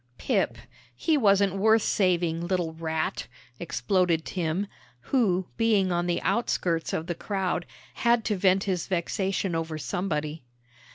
"Pip! He wasn't worth saving, little rat," exploded Tim, who, being on the outskirts of the crowd, had to vent his vexation over somebody.